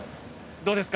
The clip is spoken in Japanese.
どうですか？